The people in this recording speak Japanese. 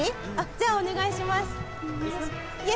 じゃあお願いします。